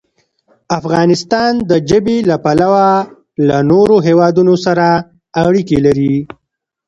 افغانستان د ژبې له پلوه له نورو هېوادونو سره اړیکې لري.